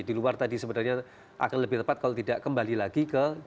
di luar tadi sebenarnya akan lebih tepat kalau tidak kembali lagi ke